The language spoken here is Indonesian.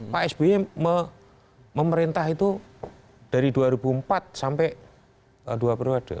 pak sby memerintah itu dari dua ribu empat sampai dua ribu dua belas